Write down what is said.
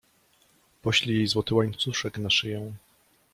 Poślij jej złoty łańcuszek na szyję.